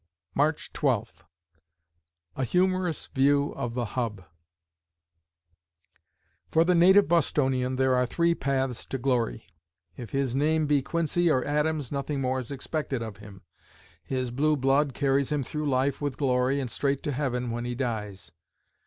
March Twelfth A HUMOROUS VIEW OF "THE HUB" For the native Bostonian there are three paths to glory. If his name be Quincy or Adams, nothing more is expected of him. His blue blood carries him through life with glory, and straight to heaven when he dies.